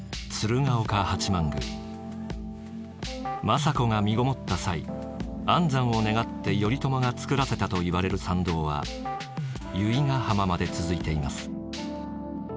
政子が身ごもった際安産を願って頼朝が作らせたといわれる参道は由比ヶ浜まで続いています。